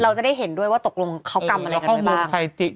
เราจะได้เห็นด้วยว่าตกลงเขากรรมอะไรกันไหมบ้าง